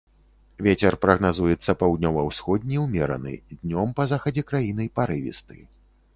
Вецер прагназуецца паўднёва-ўсходні ўмераны, днём па захадзе краіны парывісты.